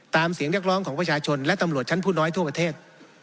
เสียงเรียกร้องของประชาชนและตำรวจชั้นผู้น้อยทั่วประเทศ